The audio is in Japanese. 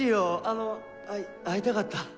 あの会い会いたかった」